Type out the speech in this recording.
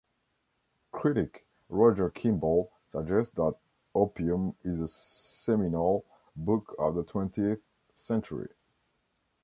Critic Roger Kimball suggests that "Opium" is "a seminal book of the twentieth century.